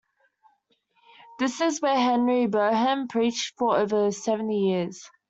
This is where Henry Boehm preached for over seventy years.